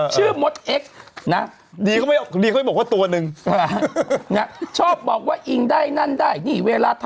ชื่อมดเอ็กซ์นะครับ